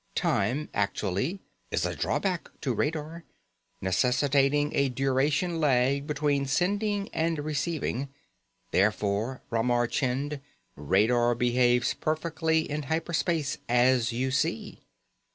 Time, actually is a drawback to radar, necessitating a duration lag between sending and receiving. Therefore, Ramar Chind, radar behaves perfectly in hyper space, as you see."